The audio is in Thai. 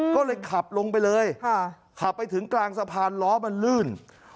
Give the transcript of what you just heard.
ก็เลยขับลงไปเลยขับไปถึงกลางสะพานล้อมันลื่น